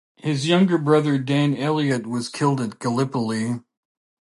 His younger brother Dan Elliot was killed at Gallipoli.